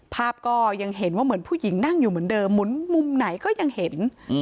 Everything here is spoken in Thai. ภาพก็ยังเห็นว่าเหมือนผู้หญิงนั่งอยู่เหมือนเดิมหมุนมุมไหนก็ยังเห็น